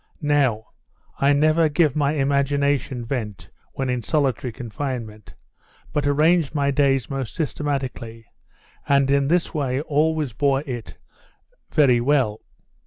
"Now, I never gave my imagination vent when in solitary confinement, but arranged my days most systematically, and in this way always bore it very well."